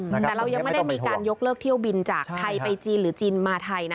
แต่เรายังไม่ได้มีการยกเลิกเที่ยวบินจากไทยไปจีนหรือจีนมาไทยนะ